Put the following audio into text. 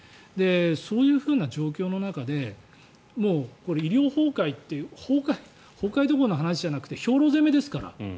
そういうふうな状況の中で医療崩壊という崩壊どころの話じゃなくて兵糧攻めですから。